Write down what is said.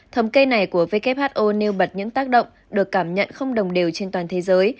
thống kê này của who nêu bật những tác động được cảm nhận không đồng đều trên toàn thế giới